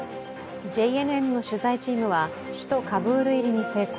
ＪＮＮの取材チームは首都カブール入りに成功。